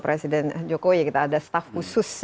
presiden joko ya kita ada staf khusus